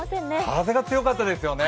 風が強かったですよね。